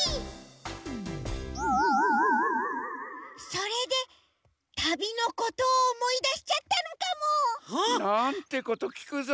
それで旅のことをおもいだしちゃったのかも。なんてこときくざんすか。